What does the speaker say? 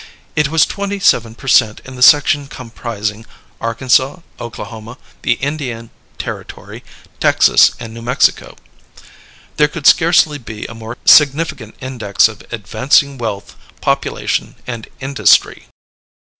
It was twenty seven per cent in the section comprising Arkansas, Oklahoma, the Indian Territory, Texas, and New Mexico. There could scarcely be a more significant index of advancing wealth, population, and industry.